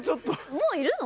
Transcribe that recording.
もういるの？